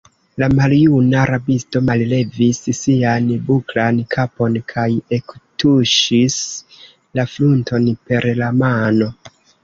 La maljuna rabisto mallevis sian buklan kapon kaj ektuŝis la frunton per la mano.